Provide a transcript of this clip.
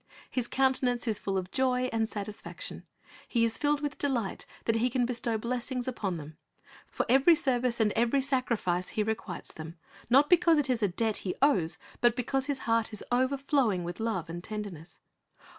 His countenance is full of joy and satisfaction. He is filled with delight that He can bestow blessings upon them. For every service and every sacrifice He requites them, not because it is a debt He owes, but because His heart is overflowing with love and tenderness.